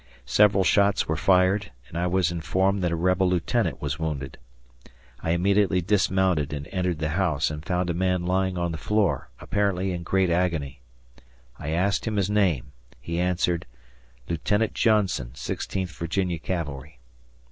Several shots were fired, and I was informed that a rebel lieutenant was wounded. I immediately dismounted and entered the house, and found a man lying on the floor, apparently in great agony. I asked him his name he answered, "Lieutenant Johnson, Sixteenth Virginia Cavalry."